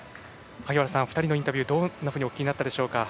萩原さん、２人のインタビューどんなふうにお聞きになりましたか。